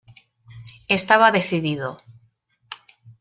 Estaba decidido.